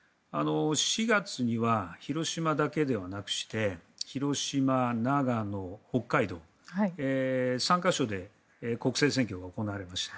４月には広島だけではなくして広島、長野、北海道３か所で国政選挙が行われました。